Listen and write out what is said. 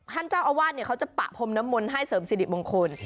ท่านเจ้าอาวาสเขาจะปะพรมน้ำมนต์ให้เสริมสิริมงคล